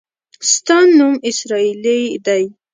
ستا نوم اسراییلي دی.